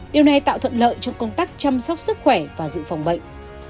điều này tạo thuận lợi trong công tác chăm sóc sức khỏe và dự phòng bệnh